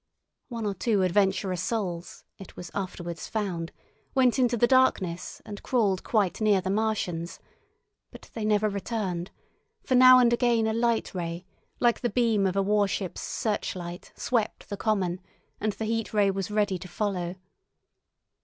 One or two adventurous souls, it was afterwards found, went into the darkness and crawled quite near the Martians; but they never returned, for now and again a light ray, like the beam of a warship's searchlight swept the common, and the Heat Ray was ready to follow.